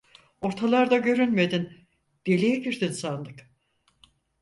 Ortalarda görünmedin, deliğe girdin sandık…